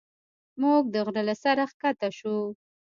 موږ د غره له سره ښکته شوو.